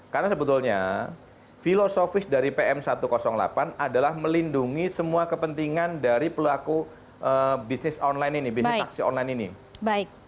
karena sebetulnya filosofis dari pm satu ratus delapan adalah melindungi semua kepentingan dari pelaku bisnis online ini